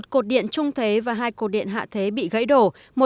một cột điện trung thế và hai cột điện hạ thế bị gãy đổ